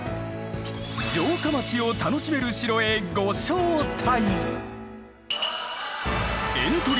城下町を楽しめる城へご招待。